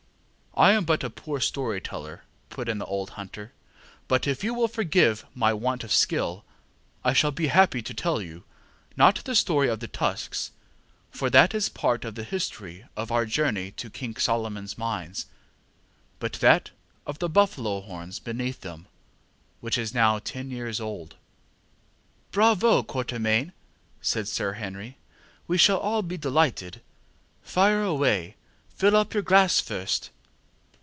ŌĆØ ŌĆ£I am but a poor story teller, ŌĆØ put in the old hunter, ŌĆ£but if you will forgive my want of skill, I shall be happy to tell you, not the story of the tusks, for that is part of the history of our journey to King SolomonŌĆÖs Mines, but that of the buffalo horns beneath them, which is now ten years old. ŌĆØ ŌĆ£Bravo, Quatermain! ŌĆØ said Sir Henry. ŌĆ£We shall all be delighted. Fire away! Fill up your glass first.